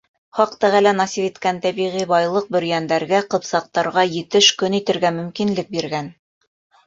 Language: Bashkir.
Хаҡ Тәғәлә насип иткән тәбиғи байлыҡ бөрйәндәргә, ҡыпсаҡтарға етеш көн итергә мөмкинлек биргән.